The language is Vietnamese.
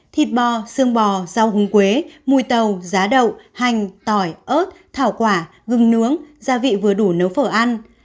thịt bò xương bò rau hương quế mùi tàu giá đậu hành tỏi ớt thảo quả gừng nướng gia vị vừa đủ nấu phở ăn